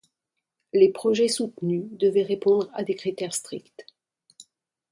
Les projets soutenus devaient répondre à des critères stricts.